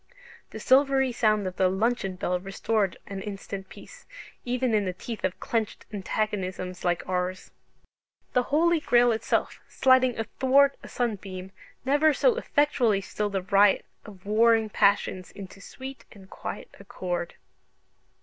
The silvery sound of the luncheon bell restored an instant peace, even in the teeth of clenched antagonisms like ours. The Holy Grail itself, "sliding athwart a sunbeam," never so effectually stilled a riot of warring passions into sweet and quiet accord.